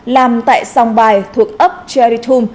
làm tại song bài thuộc ấp cheritum